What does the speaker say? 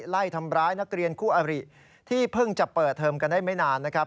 ไล่ทำร้ายนักเรียนคู่อบริที่เพิ่งจะเปิดเทอมกันได้ไม่นานนะครับ